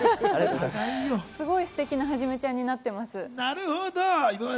すごいステキなはじめちゃんになってます。